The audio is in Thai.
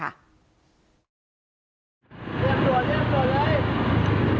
เรื่องเพลง